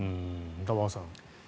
玉川さん。